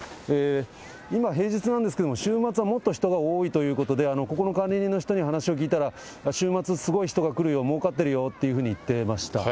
今、平日なんですけれども、週末はもっと人が多いということで、ここの管理人の人に話を聞いたら、週末、すごい人が来るよ、もうかってるよというふうに言ってました。